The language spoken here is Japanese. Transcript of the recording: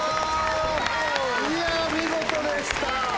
いや見事でした！